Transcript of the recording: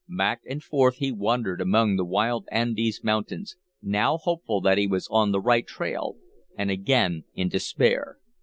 Back and forth he wandered among the wild Andes Mountains, now hopeful that he was on the right trail, and again in despair.